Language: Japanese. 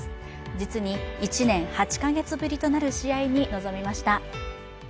実に１年８か月ぶりとなる試合に臨みました。